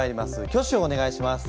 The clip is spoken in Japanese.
挙手をお願いします。